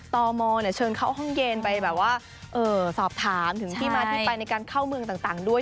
ตมเชิญเข้าห้องเย็นไปแบบว่าสอบถามถึงที่มาที่ไปในการเข้าเมืองต่างด้วย